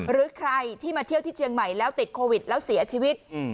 หรือใครที่มาเที่ยวที่เชียงใหม่แล้วติดโควิดแล้วเสียชีวิต